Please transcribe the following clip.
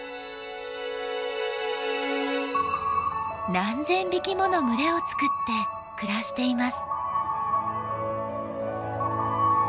何千匹もの群れを作って暮らしています。